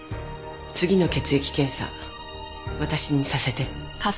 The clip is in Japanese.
次の血液検査私にさせて。